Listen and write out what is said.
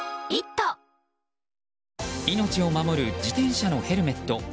命を守る自転車のヘルメット。